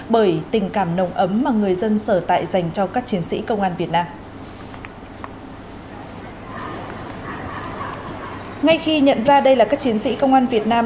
bởi tình cảm nồng ấm mà người dân sở tại dành cho các chiến sĩ công an